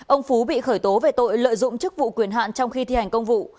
ông phú bị khởi tố về tội lợi dụng chức vụ quyền hạn trong khi thi hành công vụ